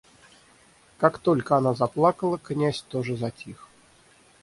Как только она заплакала, князь тоже затих.